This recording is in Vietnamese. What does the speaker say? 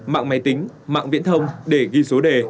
mạng máy tính mạng viễn thông để ghi số đề